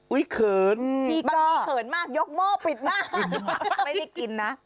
เขินบางทีเขินมากยกหม้อปิดหน้าไม่ได้กินนะ